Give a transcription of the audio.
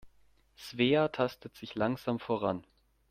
Svea tastet sich langsam voran.